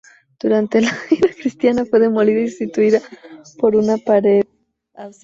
Durante la era cristiana fue demolida y sustituida por una pared absidal.